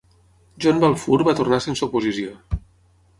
John Balfour va tornar sense oposició.